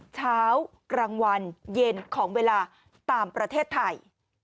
เช้ากลางวันเย็นของเวลาตามประเทศไทย